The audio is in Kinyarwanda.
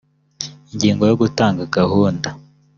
ingingo ya…: gutanga gahunga